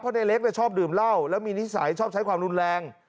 ในเล็กชอบดื่มเหล้าแล้วมีนิสัยชอบใช้ความรุนแรง